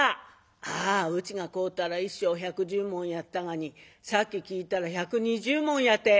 「ああうちが買うたら１升１１０文やったがにさっき聞いたら１２０文やて」。